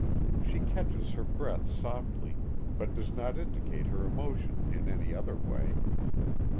She catches her breath softly, but does not indicate her emotion in any other way.